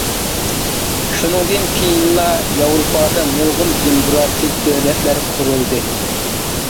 شۇنىڭدىن كېيىنلا ياۋروپادا نۇرغۇن دېموكراتىك دۆلەتلەر قۇرۇلدى.